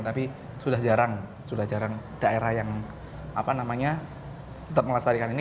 tapi sudah jarang sudah jarang daerah yang tetap melestarikan ini